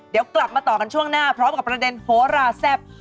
เดี๋ยวกลับมาต่อกันช่วงหน้าพร้อมกับประเด็นโหราแซ่บ